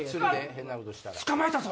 変なことしたら。